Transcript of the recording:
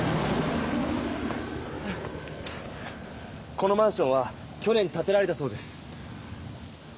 このマンションは去年たてられたそうです。